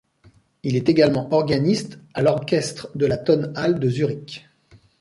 Il est également organiste à l'Orchestre de la Tonhalle de Zurich.